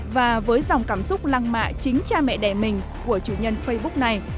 và với dòng cảm xúc lăng mạ chính cha mẹ đẻ mình của chủ nhân facebook này